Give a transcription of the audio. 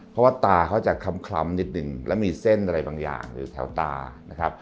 เพราะว่าตาเขาจะคล้ำนิดนึงแล้วมีเส้นอะไรบางอย่างหรือแถวตานะครับ